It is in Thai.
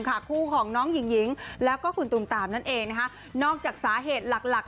ค่ะผู้ของน้องหญิงแล้วก็กลุ่มตามนั่นเองแล้วนอกจากสาเหตุหลัก